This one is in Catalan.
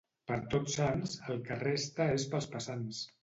Per Tots Sants, el que resta és pels passants.